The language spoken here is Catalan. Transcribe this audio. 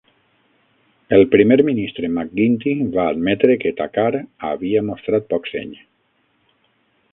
El primer ministre McGuinty va admetre que Takhar havia mostrat poc seny.